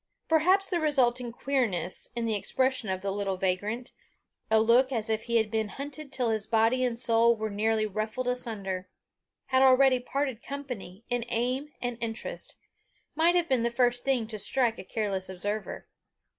Perhaps the resulting queerness in the expression of the little vagrant, a look as if he had been hunted till his body and soul were nearly ruffled asunder, and had already parted company in aim and interest, might have been the first thing to strike a careless observer.